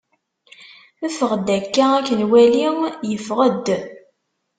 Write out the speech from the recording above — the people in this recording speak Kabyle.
ffeɣ-d akka ad k-nwali! Yeffeɣ-d.